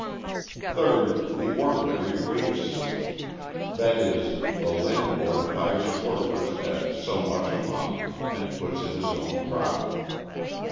Third, the ordinary wage system; that is, the landlord hires workers at so much a month and puts in his own crop.